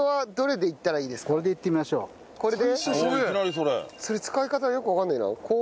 それ使い方がよくわからないな。